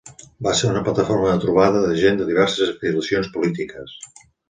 Va ser una plataforma de trobada de gent de diverses afiliacions polítiques.